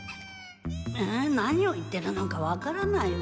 えっ何を言ってるのかわからないわ。